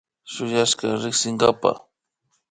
Shuyashka riksinkapa